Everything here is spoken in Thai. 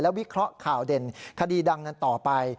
วิเคราะห์ข่าวเด่นคดีดังกันต่อไป